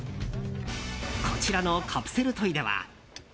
こちらのカプセルトイでは。